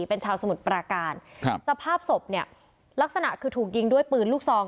เป็นชาวสมุทรปราการครับสภาพศพเนี่ยลักษณะคือถูกยิงด้วยปืนลูกซอง